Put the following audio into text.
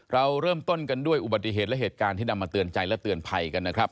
เราเริ่มต้นกันด้วยอุบัติเหตุและเหตุการณ์ที่นำมาเตือนใจและเตือนภัยกันนะครับ